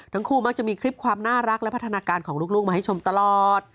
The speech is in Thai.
ทั้งคู่มักจะมีคลิปความน่ารักและพัฒนาการของลูกมาให้ชมตลอด